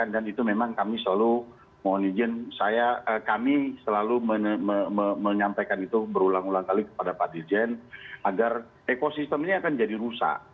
dan itu memang kami selalu mohon izin kami selalu menyampaikan itu berulang ulang kali kepada pak jijan agar ekosistem ini akan jadi rusak